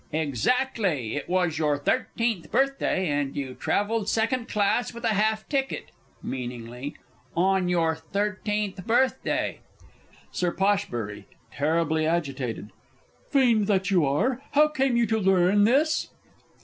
_ Exactly; it was your thirteenth birthday, and you travelled second class with a half ticket (meaningly) on your thirteenth birthday. Sir P. (terribly agitated). Fiend that you are, how came you to learn this?